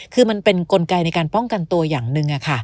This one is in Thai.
คือมันเป็นกลไกในการป้องกันตัวอย่างหนึ่ง